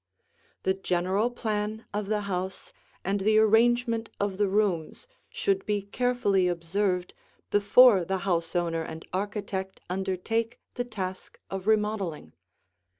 The general plan of the house and the arrangement of the rooms should be carefully observed before the house owner and architect undertake the task of remodeling.